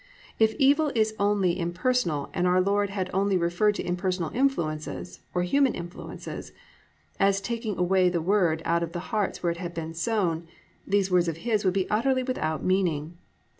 If evil is only impersonal and our Lord had only referred to impersonal influences, or human influences, as taking away the Word out of the hearts where it had been sown, these words of His would be utterly without meaning.